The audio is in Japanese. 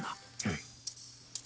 はい。